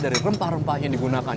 dari rempah rempah yang digunakan